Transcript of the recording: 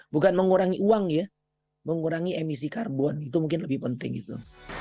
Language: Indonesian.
bukan mengurangi uang ya mengurangi emisi karbon itu mungkin lebih penting gitu